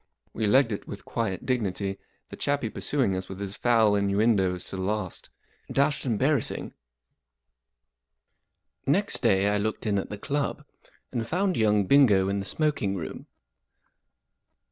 We legged it with quiet dignity, the chappie pursuing us with his foul innuendoes to the last. Dashed embarrassing. N EXT day I looked in at the club, and found young Bingo in the smoking room.